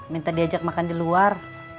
minta diajak makan di luar